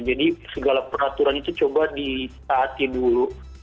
jadi segala peraturan itu coba ditaati dulu